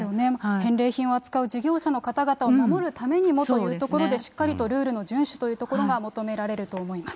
返礼品を扱う事業者の方々を守るためにもというところで、しっかりとルールの順守というところが求められると思います。